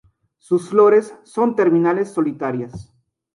Sus flores son terminales, solitarias.